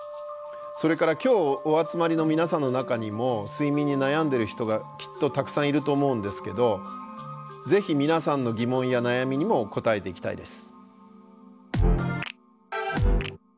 それから今日お集まりの皆さんの中にも睡眠に悩んでいる人がきっとたくさんいると思うんですけどぜひ皆さんの疑問や悩みにも答えていきたいです。